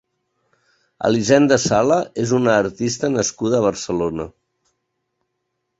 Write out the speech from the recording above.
Elisenda Sala és una artista nascuda a Barcelona.